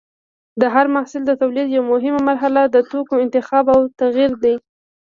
د هر محصول د تولید یوه مهمه مرحله د توکو انتخاب او تغیر دی.